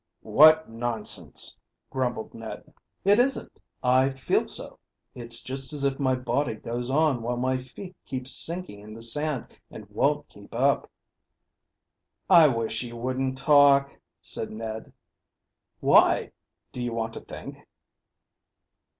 "What nonsense!" grumbled Ned. "It isn't; I feel so. It's just as if my body goes on while my feet keep sinking in the sand and won't keep up." "I wish you wouldn't talk," said Ned. "Why? Do you want to think?"